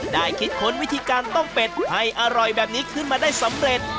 ได้คิดค้นวิธีการต้มเป็ดให้อร่อยแบบนี้ขึ้นมาได้สำเร็จ